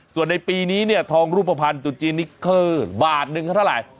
ส่วนในปีนี้เนี่ยทองรูปภัณฑ์จุดจีนนี่คือบาทหนึ่งเท่าไหร่